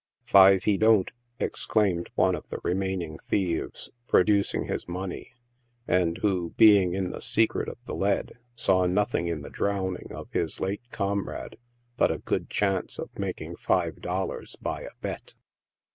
" Five he don't I" exclaimed one of the remaining thieves, pro ducing his money, and who, being in the secret of the lead, saw nothing in the drowning of his late comrade but a good chance of making five dollars by a bet.